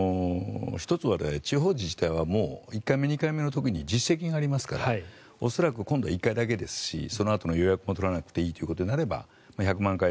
１つは地方自治体は１回目、２回目の実績がありますから恐らく、今度は１回だけですしそのあとの予約も取らなくていいということになれば１００万